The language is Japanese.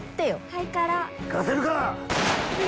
行かせるか！